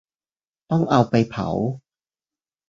ต้องเอาไปเผา